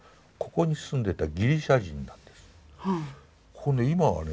ここね今はね